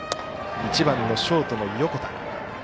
１番のショートの横田。